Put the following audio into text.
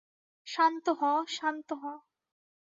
শান্ত হ, শান্ত হ।